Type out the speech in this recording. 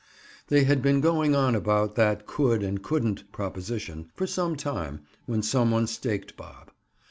They had been going on about that "could" and "couldn't" proposition for some time when some one staked Bob.